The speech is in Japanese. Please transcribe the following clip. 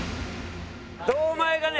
堂前がね